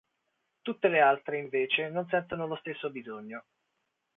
Tutte le altre, invece, non sentono lo stesso bisogno.